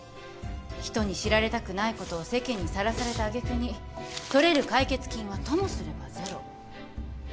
人に知られたくないことを世間にさらされた揚げ句に取れる解決金はともすればゼロ。